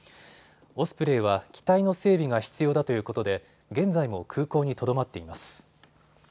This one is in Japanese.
オスプレイは機体の整備が必要だということで現在も空港にとどまっています。